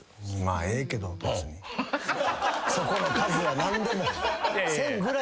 そこの数は何でも。